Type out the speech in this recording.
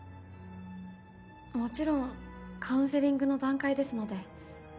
もちろんカウンセリングの段階ですので。